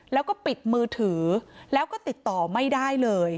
แล้วก็ปิดมือถือแล้วก็ติดต่อไม่ได้เลย